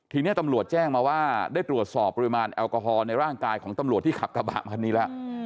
ทีนี้ตำรวจแจ้งมาว่าได้ตรวจสอบปริมาณแอลกอฮอล์ในร่างกายของตำรวจที่ขับกระบะคันนี้แล้ว